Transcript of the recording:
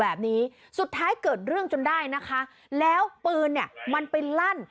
แบบนี้สุดท้ายเกิดเรื่องจนได้นะคะแล้วปืนเนี่ยมันไปลั่น